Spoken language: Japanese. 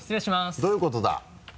どういうことだ？